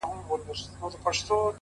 اراده د ستونزو له منځه لار جوړوي!